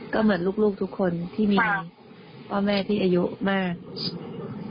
ก็เหมือนลูกทุกคนที่มีพ่อแม่ที่อายุมาก